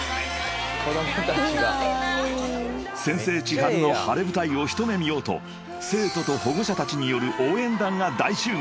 ［先生ｃｈｉｈａｒｕの晴れ舞台を一目見ようと生徒と保護者たちによる応援団が大集合］